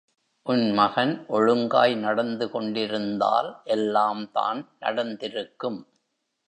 உன் மகன் ஒழுங்காய் நடந்து கொண்டிருந்தால் எல்லாம்தான் நடந்திருக்கும்.